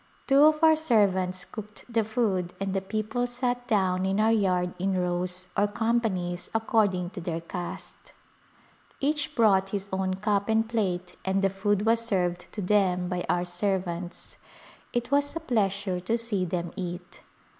Two of our servants cooked the food and the people sat down in our yard in rows or companies according to their caste. Each brought his own cup and plate and the food was served to them by our servants. It was a pleasure to see them eat.